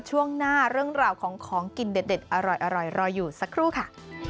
ช่วงหน้าเรื่องราวของของกินเด็ดอร่อยรออยู่สักครู่ค่ะ